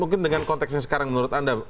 mungkin dengan konteksnya sekarang menurut anda